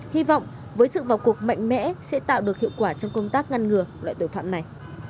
hy vọng với sự vào cuộc mạnh mẽ sẽ tạo được hiệu quả trong công tác ngăn ngừa loại tội phạm này